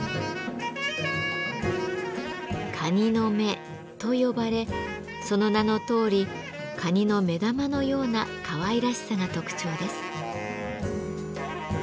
「蟹の目」と呼ばれその名のとおり蟹の目玉のようなかわいらしさが特徴です。